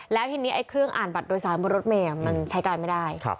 แล้วทีนี้ไอ้เครื่องอ่านบัตรโดยสารบนรถเมย์มันใช้การไม่ได้